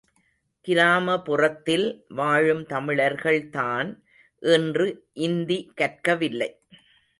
கிராமபுறத்தில் வாழும் தமிழர்கள் தான் இன்று இந்தி கற்கவில்லை.